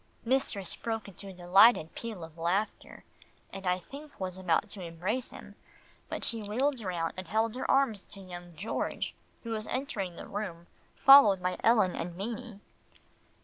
Mistress broke into a delighted peal of laughter, and I think was about to embrace him, but she wheeled round and held out her arms to young George who was entering the room, followed by Ellen and Beanie.